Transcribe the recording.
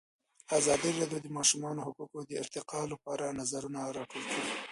ازادي راډیو د د ماشومانو حقونه د ارتقا لپاره نظرونه راټول کړي.